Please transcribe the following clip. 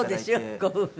ご夫婦で。